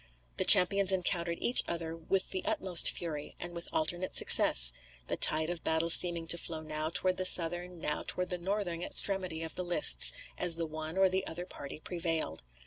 The champions encountered each other with the utmost fury, and with alternate success; the tide of battle seeming to flow now toward the southern, now toward the northern extremity of the lists as the one or the other party prevailed.